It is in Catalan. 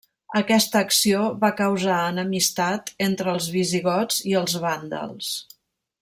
Aquesta acció va causar enemistat entre els visigots i els vàndals.